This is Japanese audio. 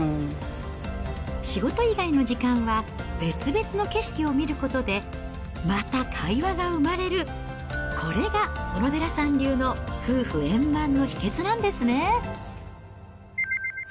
仕事以外の時間は、別々の景色を見ることでまた会話が生まれる、これが小野寺さん流の夫婦円満の秘けつなんですね。